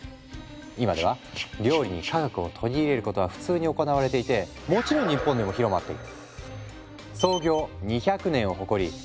今では料理に科学を取り入れることは普通に行われていてもちろん日本でも広まっている。